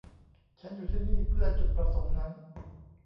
ฉันอยู่ที่นี่เพื่อจุดประสงค์นั้น